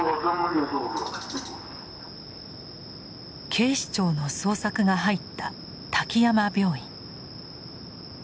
警視庁の捜索が入った滝山病院。